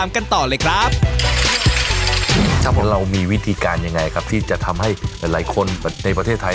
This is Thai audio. ไม่เชื่อว่าแบบเอ๊ะปะนาวจริงหรือเปล่า